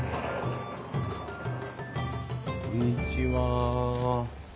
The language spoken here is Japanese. こんにちは。